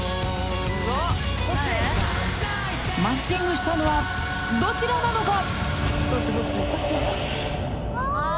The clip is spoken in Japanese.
［マッチングしたのはどちらなのか？］